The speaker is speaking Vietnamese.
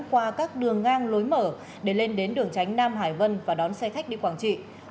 qua các đường ngang lối mở để lên đến đường tránh nam hải vân và đón xe khách đi quảng trị